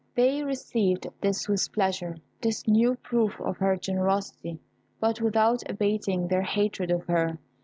They received with pleasure this new proof of her generosity, but without abating their hatred of her.